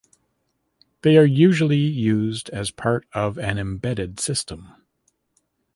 They are usually used as part of an embedded system.